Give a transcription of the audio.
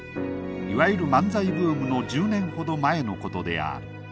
いわゆる漫才ブームの１０年ほど前のことである。